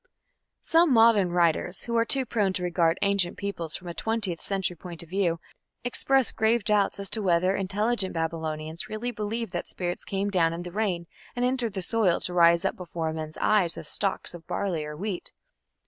Some modern writers, who are too prone to regard ancient peoples from a twentieth century point of view, express grave doubts as to whether "intelligent Babylonians" really believed that spirits came down in the rain and entered the soil to rise up before men's eyes as stalks of barley or wheat.